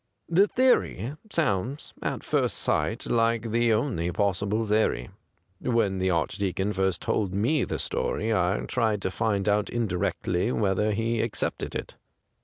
The theory sounds at first sight like the only possible theory. When the Archdeacon first told me the storj^ I tried to find out indirectly whether he accepted it.